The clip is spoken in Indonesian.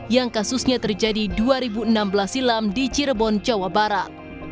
yang kasusnya terjadi dua ribu enam belas silam di cirebon jawa barat